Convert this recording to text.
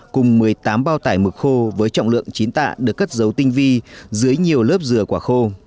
cùng một mươi tám bao tải mực khô với trọng lượng chín tạ được cất dấu tinh vi dưới nhiều lớp dừa quả khô